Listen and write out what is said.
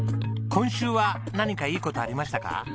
今週は何かいい事ありましたか？